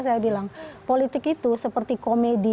saya bilang politik itu seperti komedi